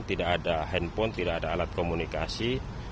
tidak ada handphone tidak ada alat komunikasi